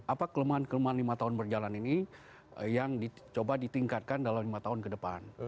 apa kelemahan kelemahan lima tahun berjalan ini yang dicoba ditingkatkan dalam lima tahun ke depan